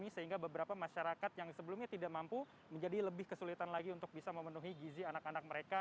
sehingga beberapa masyarakat yang sebelumnya tidak mampu menjadi lebih kesulitan lagi untuk bisa memenuhi gizi anak anak mereka